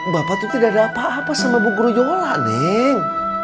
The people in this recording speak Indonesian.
bapak tuh tidak ada apa apa sama bu guruyola nin